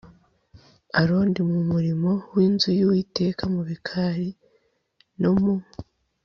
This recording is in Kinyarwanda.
Aroni mu murimo w inzu y Uwiteka mu bikari no mu